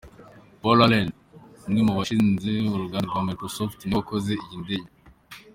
Paul Allen umwe mubashinze uruganda rwa Microsoft niwe wakoze iyi ndege.